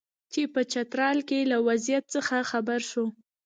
چې په چترال کې له وضعیت څخه خبر شو.